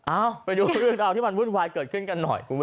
อ้าวไปดูเรื่องราวที่มันวุ่นวายเกิดขึ้นกันหน่อย